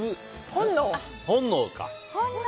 「本能」か。